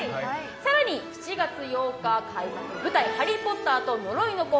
更に、７月８日開幕舞台「ハリー・ポッターと呪いの子」。